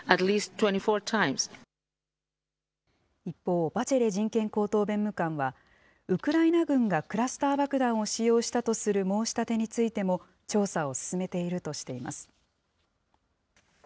一方、バチェレ人権高等弁務官は、ウクライナ軍がクラスター爆弾を使用したとする申し立てについても、調査を進めているとしています。